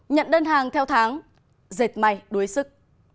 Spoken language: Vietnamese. nhận đơn hàng theo tháng dệt may đuối sức